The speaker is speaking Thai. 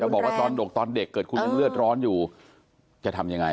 บอกว่าตอนดกตอนเด็กเกิดคุณยังเลือดร้อนอยู่จะทำยังไง